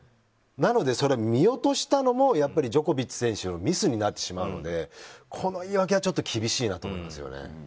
なので、それを見落としたのもやっぱりジョコビッチ選手のミスになってしまうのでこの言い訳はちょっと厳しいなと思いますよね。